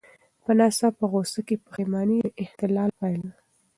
په ناڅاپه غوسه کې پښېماني د اختلال پایله ده.